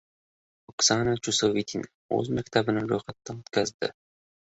Oksana Chusovitina o‘z maktabini ro‘yxatdan o‘tkazdi